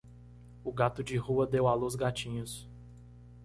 O gato de rua deu à luz gatinhos.